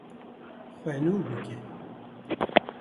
Xwe nû bike.